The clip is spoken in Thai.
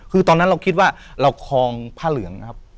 คือตอนนั้นเราคิดว่าเราคลองผ้าเหลืองนะครับ